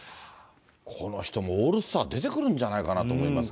この人もオールスター、出てくるんじゃないかなと思いますが。